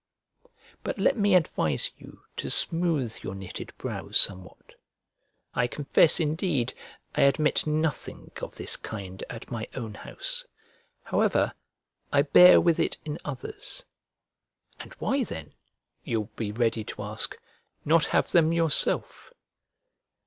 But let me advise you to smooth your knitted brow somewhat. I confess, indeed, I admit nothing of this kind at my own house; however, I bear with it in others. "And why, then," you will be ready to ask, "not have them yourself?"